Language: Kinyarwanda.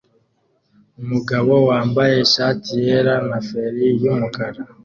Umugabo wambaye ishati yera na feri yumukara